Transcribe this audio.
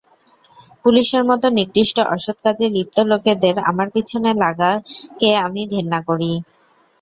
পুলিশের মত নিকৃষ্ট অসৎ কাজে লিপ্ত লোকেদের আমার পিছনে লাগাকে আমি ঘেন্না করি।